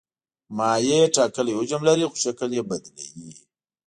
مایع ټاکلی حجم لري خو شکل یې بدلوي.